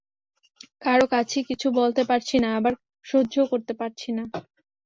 কারও কাছেই কিছু বলতে পারছি না, আবার সহ্যও করতে পারছি না।